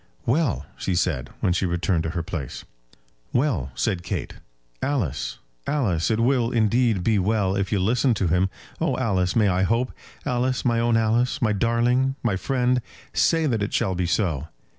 "Well!" she said, when she returned to her place. "Well," said Kate. "Alice, Alice, it will, indeed, be well if you listen to him. Oh, Alice, may I hope? Alice, my own Alice, my darling, my friend! Say that it shall be so."